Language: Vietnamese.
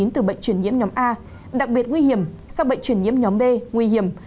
từ bệnh truyền nhiễm nhóm a đặc biệt nguy hiểm sau bệnh truyền nhiễm nhóm b nguy hiểm